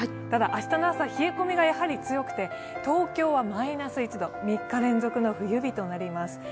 ただ明日の朝冷え込みがやはり強くて、東京はマイナス１度、３日連続の冬日となります。